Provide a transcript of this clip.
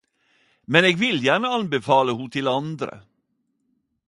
Men eg vil gjerne anbefale ho til andre